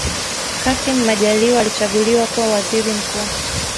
kassim majaliwa alichaguliwa kuwa waziri mkuu